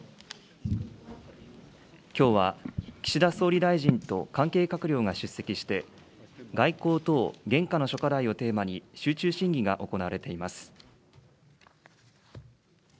きょうは岸田総理大臣と関係閣僚が出席して、外交等現下の諸課題をテーマに集中審議が行われています。